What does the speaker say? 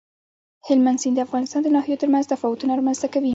هلمند سیند د افغانستان د ناحیو ترمنځ تفاوتونه رامنځ ته کوي.